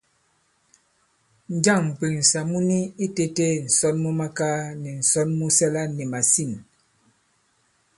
Njâŋ m̀mbwèŋsà mu ni itētē ǹsɔnmakaa nì ǹsɔn mu sɛla nì màsîn?